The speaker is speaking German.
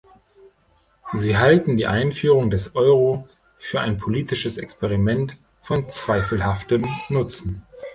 Sie halten die Einführung des Euro für ein politisches Experiment von zweifelhaftem Nutzen.